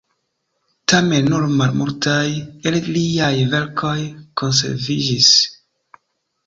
Tamen nur malmultaj el liaj verkoj konserviĝis.